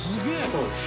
そうです。